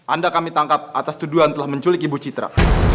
anda kami tangkap atas tuduhan telah menculik ibu citra